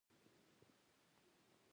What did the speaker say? په دې څپرکې کې مهم لوستونه شامل دي.